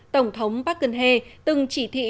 tổng thống park geun hye từng chỉ thị